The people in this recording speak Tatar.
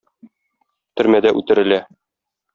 Төрмәдә үтерелә.